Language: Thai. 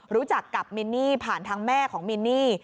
รู้จักกับมินนี่ผ่านทางแม่ของมินนี่